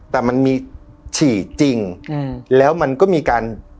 แต่มันมีฉี่จริงแล้วมันก็มีการ